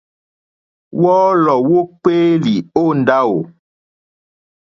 Wɔ́ɔ́lɔ̀ wókpéélì ó ndáwò.